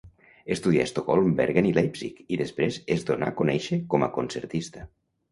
Estudià a Estocolm, Bergen i Leipzig, i després es donà conèixer com a concertista.